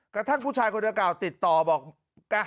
กระทั่งผู้ชายคนดังกล่าวติดต่อบอก